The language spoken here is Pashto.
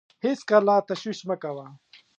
هېڅکله تشویش مه کوه .